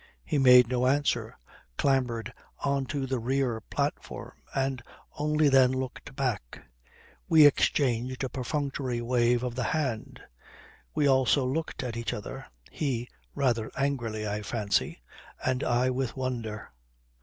He made no answer, clambered on to the rear platform, and only then looked back. We exchanged a perfunctory wave of the hand. We also looked at each other, he rather angrily, I fancy, and I with wonder.